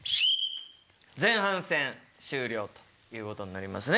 前半戦終了ということになりますね。